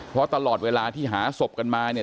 เพราะตลอดเวลาที่หาศพกันมาเนี่ย